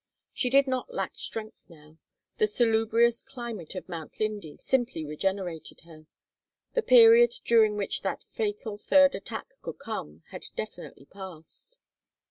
She did not lack strength now. The salubrious climate of Mount Linde simply regenerated her. The period during which the fatal third attack could come, had definitely passed.